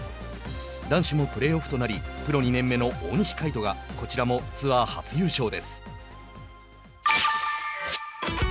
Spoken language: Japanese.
男子もプレーオフとなりプロ２年目の大西魁斗がこちらもツアー初優勝です。